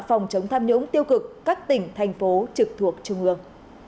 phòng chống tham nhũng tiêu cực các tỉnh thành phố trực thuộc trung ương